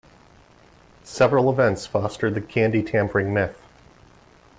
Several events fostered the candy tampering myth.